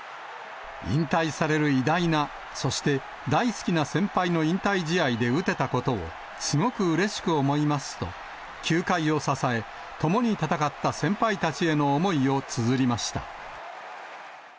引退される偉大な、そして大好きな先輩の引退試合で打てたことを、すごくうれしく思いますと、球界を支え、共に戦った先輩たちへの思いをつづりました。